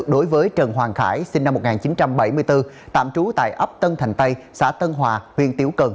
đối với trần hoàng khải sinh năm một nghìn chín trăm bảy mươi bốn tạm trú tại ấp tân thành tây xã tân hòa huyện tiểu cần